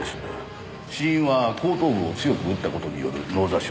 死因は後頭部を強く打った事による脳挫傷。